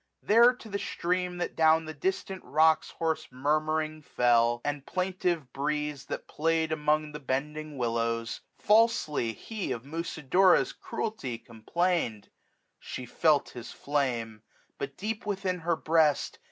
There to the stream that down the distant rocks Hoarse murmuring fell, and plaintive breeze that play'd Among the bending willows j falsely he Of Musidora's cruelty complained. 1275 She felt his flame ; but deep within her breast.